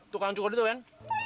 tukang cukup itu kan